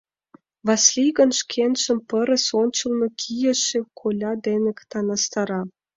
Васлий гын шкенжым пырыс ончылно кийыше коля дене таҥастара.